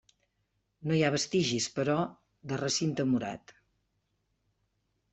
No hi ha vestigis, però, de recinte murat.